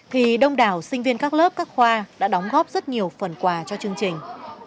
thì đông đảo sinh viên các lớp các khoa đã đóng góp rất nhiều phần quà cho chương trình